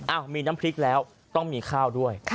มีน้ำพริกแล้วต้องมีข้าวด้วย